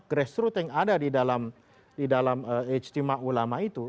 grassroots yang ada di dalam istimah ulama itu